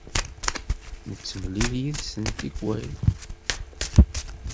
Nettemlil yid-sen tikwal.